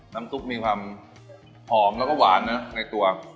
น้ำตุ๊กมีความหอมและหวานในตัว